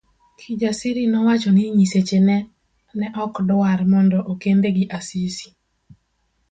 Kijasiri nowacho ni nyiseche ne okdwar mondo okende gi Asisi.